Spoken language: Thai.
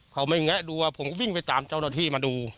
เขาไม่แงะดูผมก็วิ่งไปตามเจ้าหน้าที่มาดู